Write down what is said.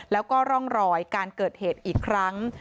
แล้วก็ร่องรอยการเกิดเหตุอีกครั้ง